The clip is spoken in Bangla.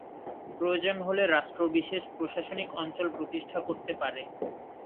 প্রয়োজন হলে রাষ্ট্র বিশেষ প্রশাসনিক অঞ্চল প্রতিষ্ঠা করতে পারে।